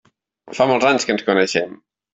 Fa molts anys que ens coneixem.